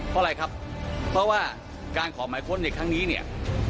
เพราะอะไรครับเพราะว่าการขอหมายค้นในครั้งนี้เนี่ย